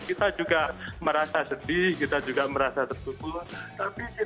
kita juga merasa sedih kita juga merasa terkubur